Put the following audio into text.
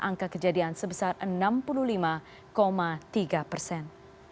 angka kejadian sebesar enam puluh lima tiga persen